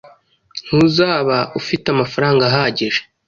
Ntuzaba ufite amafaranga ahagije